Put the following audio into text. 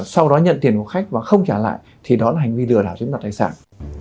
sau đó nhận tiền của khách và không trả lại thì đó là hành vi lừa đảo chiếm đoạt tài sản